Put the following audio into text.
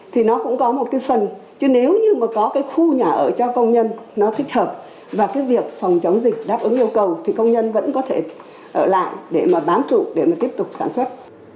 thì nó cũng có một cái phần chứ nếu như mà có cái khu nhà ở cho công nhân nó thích hợp và cái việc phòng chống dịch đáp ứng yêu cầu thì công nhân vẫn có thể ở lại để mà bám trụ để mà tiếp tục sản xuất